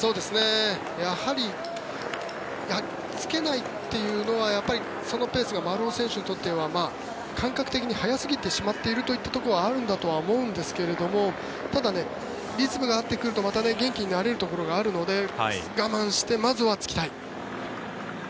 やはりつけないというのはそのペースが丸尾選手にとっては、感覚的に速すぎてしまっているところはあるんだとは思うんですけどただ、リズムが合ってくるとまた元気になれるところがあるので我慢して、まずはつきたい。